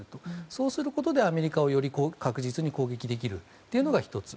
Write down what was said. そうすることでアメリカをより確実に攻撃できるというのが１つ。